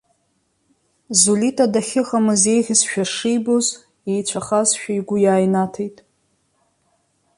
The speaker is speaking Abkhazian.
Зулита дахьыҟамыз еиӷьызшәа шибоз, иеицәахазшәа игәы иааинаҭеит.